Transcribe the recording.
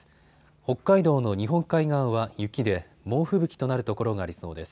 北海道の日本海側は雪で猛吹雪となる所がありそうです。